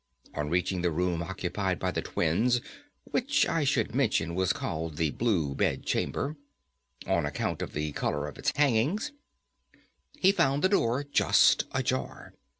On reaching the room occupied by the twins, which I should mention was called the Blue Bed Chamber, on account of the colour of its hangings, he found the door just ajar.